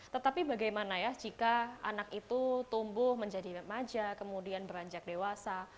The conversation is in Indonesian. tetapi bagaimana ya jika anak itu tumbuh menjadi remaja kemudian beranjak dewasa